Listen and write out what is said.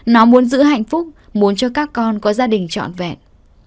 nó muốn giữ hạnh phúc muốn cho các con có gia đình trọn vẹn